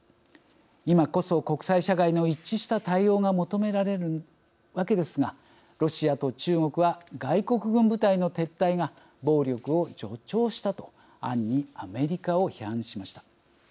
今こそ、国際社会の一致した対応が求められるわけですがロシアと中国は外国軍部隊の撤退が暴力を助長したと暗にアメリカを批判しました。